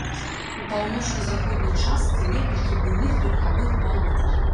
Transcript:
У паўночна-заходняй частцы некалькі буйных верхавых балот.